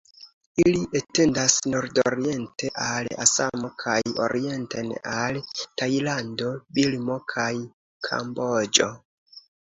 Ili etendas nordoriente al Asamo kaj orienten al Tajlando, Birmo kaj Kamboĝo.